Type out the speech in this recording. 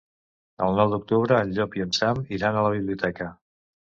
El nou d'octubre en Llop i en Sam iran a la biblioteca.